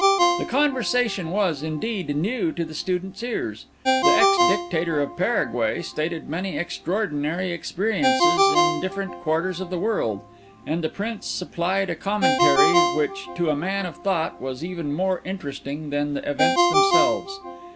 The conversation was, indeed, new to the student's ears. The ex Dictator of Paraguay stated many extraordinary experiences in different quarters of the world; and the Prince supplied a commentary which, to a man of thought, was even more interesting than the events themselves.